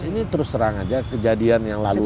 ini terus terang aja kejadian yang lalu